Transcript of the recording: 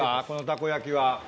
このたこ焼きは。